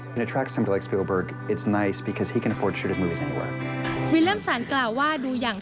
วิลเลิมสันกล่าวว่าดูอย่าง